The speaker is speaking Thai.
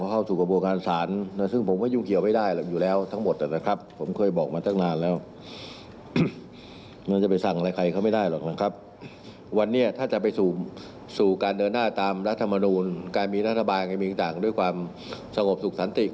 การมีรัฐบาลการมีต่างด้วยความสงบสุขสันติก